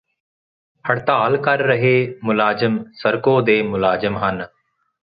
ਹੜਤਾਲ ਕਰ ਰਹੇ ਮੁਲਾਜ਼ਮ ਸਰਕੋ ਦੇ ਮੁਲਾਜ਼ਮ ਹਨ